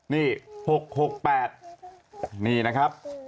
นี่๖๖๘นี่นะครับ